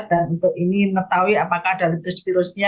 dan untuk ini mengetahui apakah ada leptospirosisnya